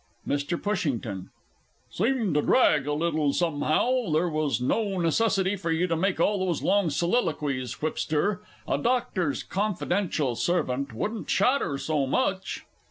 MR. PUSHINGTON. Seemed to drag a little, somehow! There was no necessity for you to make all those long soliloquies, Whipster. A Doctor's confidential servant wouldn't chatter so much!